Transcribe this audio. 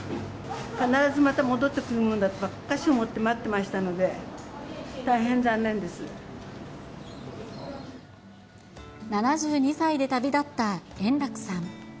必ずまた戻ってくるものだとばっかり思って待ってましたので、７２歳で旅立った円楽さん。